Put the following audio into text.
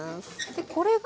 でこれが。